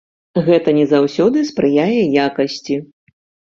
Гэта не заўсёды спрыяе якасці.